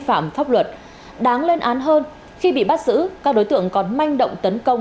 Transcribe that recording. phạm pháp luật đáng lên án hơn khi bị bắt giữ các đối tượng còn manh động tấn công